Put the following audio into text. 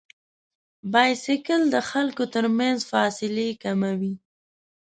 بایسکل د خلکو تر منځ فاصلې کموي.